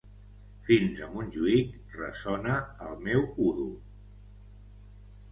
Fins a Montjuïc ressona el meu udol...